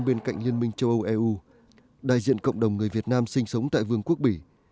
bên cạnh liên minh châu âu eu đại diện cộng đồng người việt nam sinh sống tại vương quốc bỉ